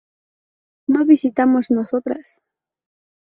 ¿No visitamos nosotras?